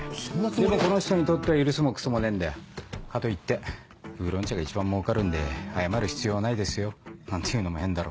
でもこの人にとっては許すもクソもねえんだよかといって「ウーロン茶が一番もうかるんで謝る必要はないですよ」なんて言うのも変だろ。